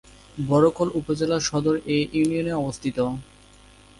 বরকল উপজেলা সদর এ ইউনিয়নে অবস্থিত।